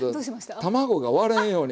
卵が割れんように。